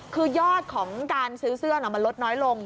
คือยอดของการซื้อเสื้อมันลดน้อยลง